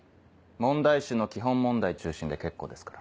問題集の基本問題中心で結構ですから。